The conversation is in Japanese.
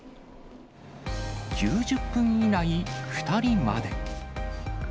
９０分以内、２人まで。